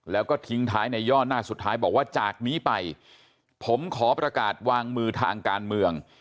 แล้วก็ทิ้งท้ายในย่อหน้าสุดท้ายบอกว่าจากนี้ไปผมขอประกาศวางมือทางการเมือง